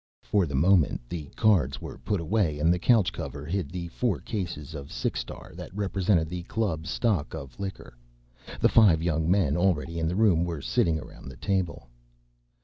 For the moment the cards were put away and the couch cover hid the four cases of Six Star that represented the club's stock of liquor. The five young men already in the room were sitting around the table.